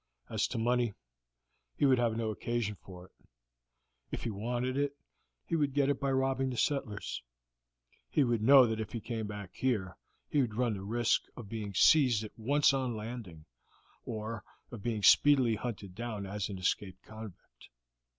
As to money, he would have no occasion for it; if he wanted it he would get it by robbing the settlers, he would know that if he came back here he would run the risk of being seized at once on landing or of being speedily hunted down as an escaped convict.